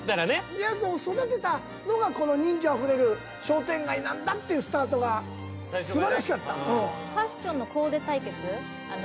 みやぞんを育てたのがこの人情あふれる商店街なんだっていうスタートが素晴らしかった。